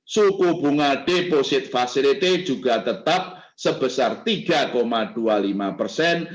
suku bunga deposit facility juga tetap sebesar tiga dua puluh lima persen